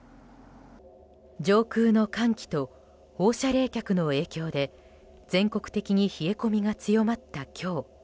上空の寒気と放射冷却の影響で全国的に冷え込みが強まった今日。